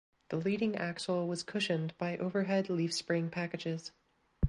The leading axle was cushioned by overhead leaf spring packages.